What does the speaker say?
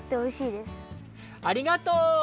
ありがとう！